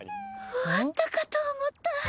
終わったかと思った。